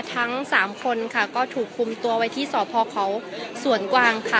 ทั้งสามคนค่ะก็ถูกคุมตัวไว้ที่สพเขาสวนกวางค่ะ